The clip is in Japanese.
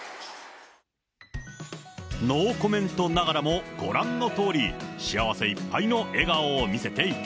ノーコメントながらもご覧のとおり、幸せいっぱいの笑顔を見せていた。